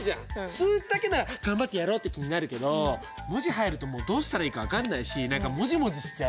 数字だけなら頑張ってやろうって気になるけど文字入るともうどうしたらいいか分かんないし何かモジモジしちゃう文字だけに。